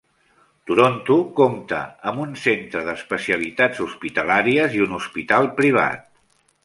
Toronto compta amb un centre d'especialitats hospitalàries i un hospital privat.